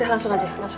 udah langsung aja